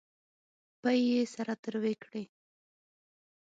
پۍ یې سره تروې کړې.